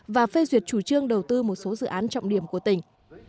và phê duyệt chủ trương đầu tư một số dự án trọng điểm của tỉnh